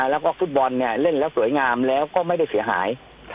แล้วก็ฟุตบอลเล่นแล้วสวยงามแล้วก็ไม่ได้เสียหาย